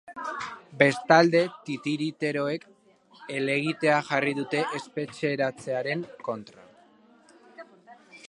Bestalde, titiriteroek helegitea jarri dute espetxeratzearen kontra.